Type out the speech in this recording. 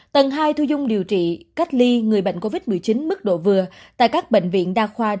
tầng hai thu dung điều trị cách ly người bệnh covid một mươi chín mức độ vừa tại các bệnh viện đa khoa